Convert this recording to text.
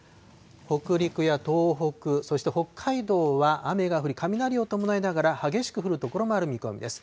北陸や東北、そして北海道は雨が降り、雷を伴いながら激しく降る所もある見込みです。